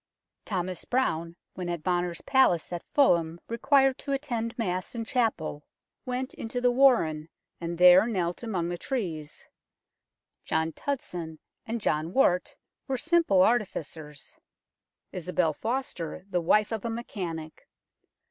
Thomas Browne, when at Bonner's palace at Fulham required to attend Mass in chapel, went into the warren and there knelt among the trees. John Tudson and John Wart were simple artificers ; Isobel Foster, the wife of a mechanic.